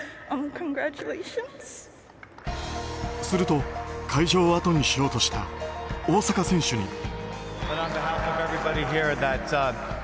すると、会場をあとにしようとした大坂選手に。